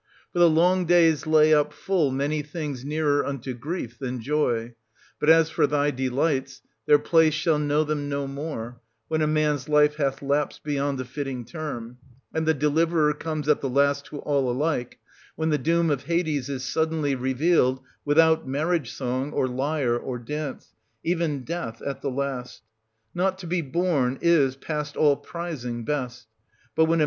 I2I3— 1253] OEDIFUS AT COLON US, 105 For the long days lay up full many things nearer unto grief than joy ; but as for thy delights, their place shall know them no more, when a man's life hath lapsed beyond the fitting term ; and the Deliverer comes at 1220 the last to all alike, — when the doom of Hades is sud denly revealed, without marriage song, or lyre, or dance, — even Death at the last. Not to be born is, past all prizing, best ; but, when a ant.